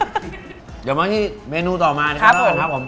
เดี๋ยวมาที่เมนูต่อมานะครับ